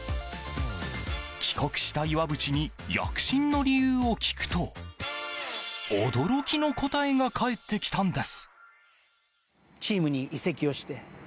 帰国した岩渕に躍進の理由を聞くと驚きの答えが返ってきたんです。